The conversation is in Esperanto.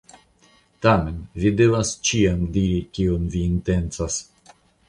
Tamen, vi devas ĉiam diri kion vi intencas.